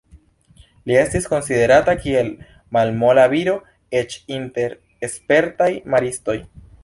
Li estis konsiderata kiel malmola viro eĉ inter spertaj maristoj.